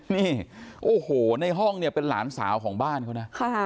นี่โอ้โหในห้องเนี่ยเป็นหลานสาวของบ้านเขานะ